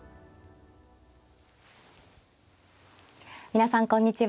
皆さんこんにちは。